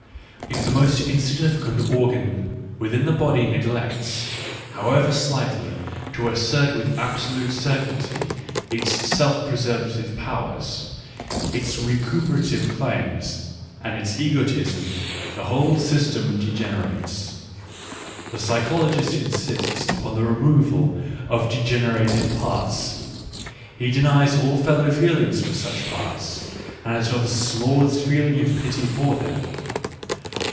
If th§ most insignificant organ within the body neglects, how ever slightly, to assert with absolute certainty its self preservative powers, its recuperative claims, and its egoism, the whole system degenerates. The physiologist insists upon the removal of' degener ated parts, he denies all fellow feeling for such parts, and has not the smallest feeling of pity for them.